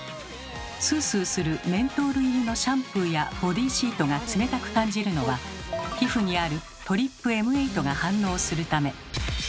スースーするメントール入りのシャンプーやボディーシートが冷たく感じるのは皮膚にあるＴＲＰＭ８が反応するため。